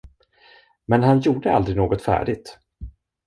Men han gjorde aldrig något färdigt.